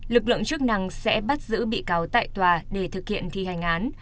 lực lượng chức năng sẽ bắt giữ bị cáo tại tòa để thực hiện thi hành án